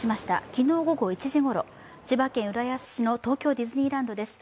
昨日午後１時ごろ、千葉県浦安市の東京ディズニーランドです。